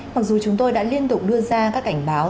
mặc dù chúng tôi đã liên tục đưa ra các cảnh báo